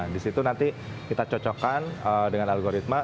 disitu nanti kita cocokkan dengan algoritma